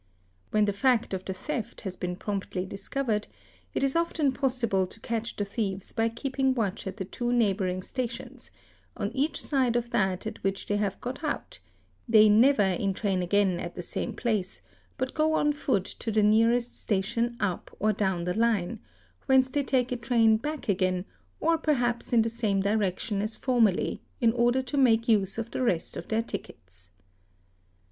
When the fact of the theft has been promptly discovered, it is often possible to catch the thieves by keeping watch at the two neighbouring stations, on each side of that at which they have got out; they never entrain again at the same place, but go on foot to the nearest station up or down the line, whence they take a train | ACCOMPLICES 695 *back again, or perhaps in the same direction as formerly in order to make use of the rest of their tickets.